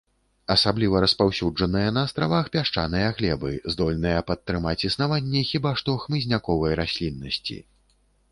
Асабліва распаўсюджаныя на астравах пясчаныя глебы здольныя падтрымаць існаванне хіба што хмызняковай расліннасці.